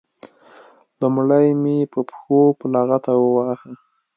لومړی مې په پښو په لغته وواهه.